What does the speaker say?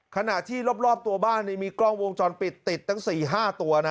ขณะที่รอบตัวบ้านมีกล้องวงจรปิดติดตั้ง๔๕ตัวนะ